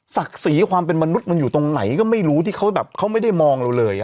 ศักดิ์ศรีความเป็นมนุษย์มันอยู่ตรงไหนก็ไม่รู้ที่เขาแบบเขาไม่ได้มองเราเลย